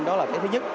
đó là cái thứ nhất